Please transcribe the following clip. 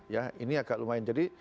ya ini agak lumayan jadi